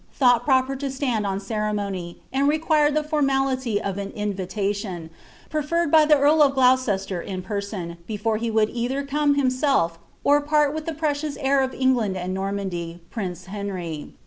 thought proper to stand on crreinotiy, iti re<)uired the formality of an invitation, preferred by the entl of QlouMMcr in person, before he would either come himself, or part with the pttdem heir of England and Normandy, prince Henry.